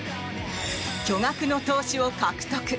巨額の投資を獲得。